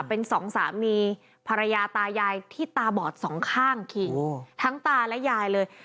เป็นสองสามีภรรยาตายายที่ตาบอดสองข้างคิงทั้งตาและยายเลย